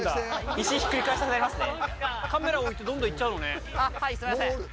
石ひっくり返したくなりますね。